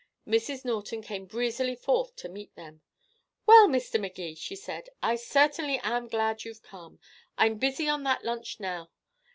Mrs. Norton came breezily forth to meet them. "Well, Mr. Magee," she said, "I certainly am glad you've came. I'm busy on that lunch now.